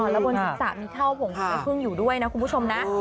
แล้ววัน๑๓เรามีเครื่องเดือนของของผมอยู่ด้วยนะคุณผู้ชมนะ